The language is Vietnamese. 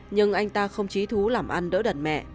nhưng anh ta không trí thú làm ăn đỡ đẩn mẹ